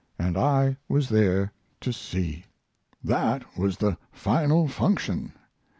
And I was there to see. That was the final function.